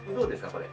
これ。